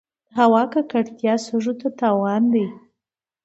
د هوا ککړتیا سږو ته تاوان دی.